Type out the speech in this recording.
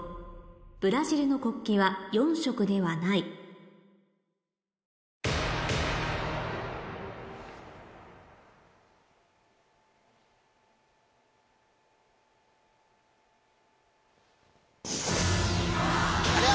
ブラジルの国旗は４色ではないありゃ！